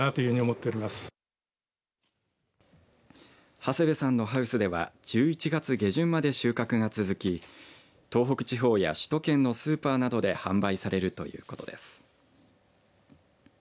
長谷部さんのハウスでは１１月下旬まで収穫が続き東北地方や首都圏のスーパーなどで販売されるということです。